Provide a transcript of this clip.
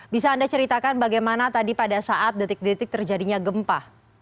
bisa anda ceritakan bagaimana tadi pada saat detik detik terjadinya gempa